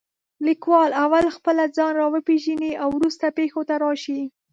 لیکوال اول خپله ځان را وپېژنې او وروسته پېښو ته راشي.